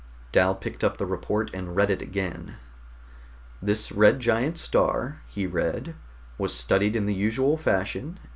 Dal picked up the report and read it again. "This red giant star," he read, "was studied in the usual fashion.